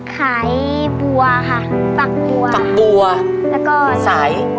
ขายปัวค่ะ